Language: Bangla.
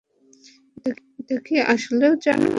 এটা কী আসলেও জানো?